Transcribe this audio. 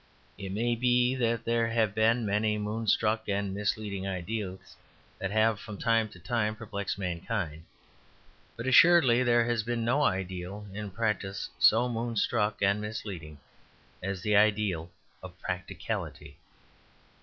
It may be that there have been many moonstruck and misleading ideals that have from time to time perplexed mankind. But assuredly there has been no ideal in practice so moonstruck and misleading as the ideal of practicality.